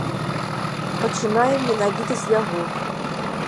Пачынаем менавіта з яго.